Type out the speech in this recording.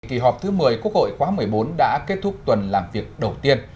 kỳ họp thứ một mươi quốc hội khóa một mươi bốn đã kết thúc tuần làm việc đầu tiên